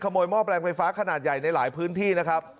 หม้อแปลงไฟฟ้าขนาดใหญ่ในหลายพื้นที่นะครับ